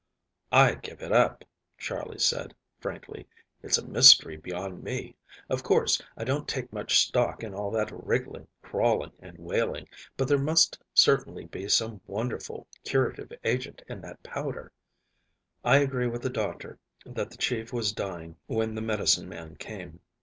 "I give it up," Charley said frankly. "It's a mystery beyond me. Of course, I don't take much stock in all that wriggling, clawing, and wailing, but there must certainly be some wonderful curative agent in that powder. I agree with the doctor that the chief was dying when the medicine man came."